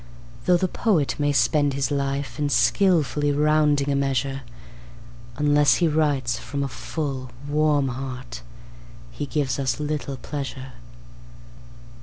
Though the poet may spend his life in skilfully rounding a measure, Unless he writes from a full, warm heart he gives us little pleasure.